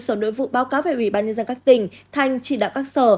sở nội vụ báo cáo về ủy ban nhân dân các tỉnh thành chỉ đạo các sở